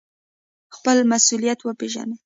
خپل مسوولیت وپیژنئ